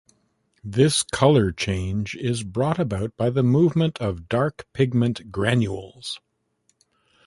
This color change is brought about by the movement of dark pigment granules.